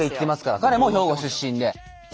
彼も兵庫出身で。